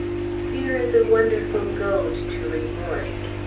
Fear is a wonderful goad to remorse.